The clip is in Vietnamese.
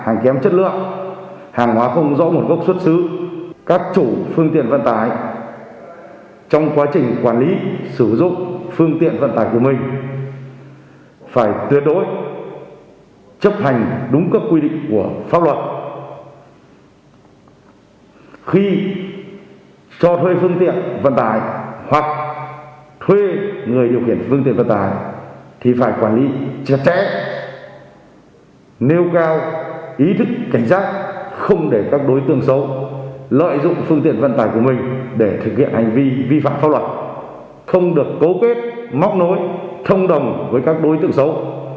nêu cao ý thức cảnh giác không để các đối tượng xấu lợi dụng phương tiện vận tải của mình để thực hiện hành vi vi phạm pháp luật không được cố kết móc nối thông đồng với các đối tượng xấu